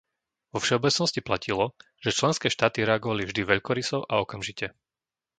Vo všeobecnosti platilo, že členské štáty reagovali vždy veľkoryso a okamžite.